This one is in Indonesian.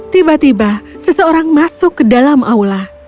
tiba tiba seseorang masuk ke dalam aula